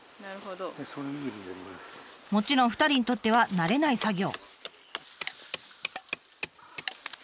もちろん２人にとっては慣れない作業。